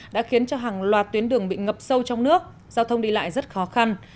đã khiến cho hàng loạt tuyến đường bị ngập sâu trong nước giao thông đi lại rất khó khăn